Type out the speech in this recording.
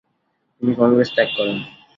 তিনি কংগ্রেস ত্যাগ করেন।